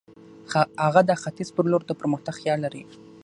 هغه د ختیځ پر لور د پرمختګ خیال لري.